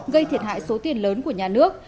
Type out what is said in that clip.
gây thiệt hại số tiền lớn của nhà nước